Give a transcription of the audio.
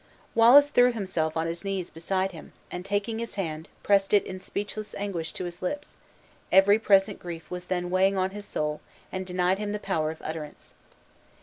Wallace threw himself on his knees beside him, and taking his hand, pressed it in speechless anguish to his lips; every present grief was then weighing on his soul, and denied him the power of utterance.